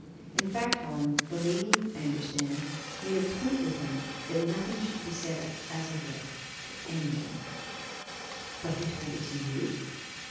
In fact, Helen, the lady, I understand, made it a point with him that nothing should be said of it yet to any one." "But he told it to you?"